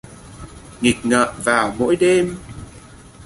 Nghịch ngợm vào mỗi đêm